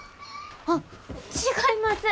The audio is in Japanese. あっ違います！